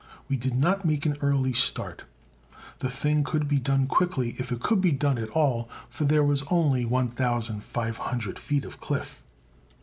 We did not make an early start. The thing could be done quickly if it could be done at all, for there was only 1,500 feet of cliff.